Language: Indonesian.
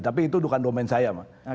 tapi itu bukan domen saya pak